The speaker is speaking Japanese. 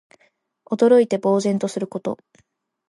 驚いて呆然とすること。